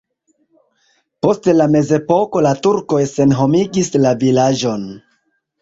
Post la mezepoko la turkoj senhomigis la vilaĝon.